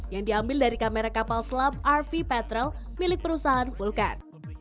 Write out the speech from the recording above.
yang diambil dari kamera kapal selam rv patrol milik perusahaan vulkan